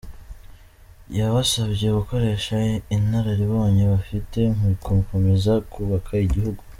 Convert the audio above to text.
Yabasabye gukoresha inararibonye bafite mu gukomeza kubaka igihugu.